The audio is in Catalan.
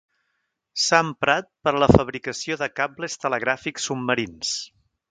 S'ha emprat per a la fabricació de cables telegràfics submarins.